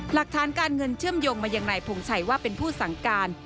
หลักฐานการเงินเชื่อมโยงมายังนายพงชัยว่าเป็นผู้สั่งการ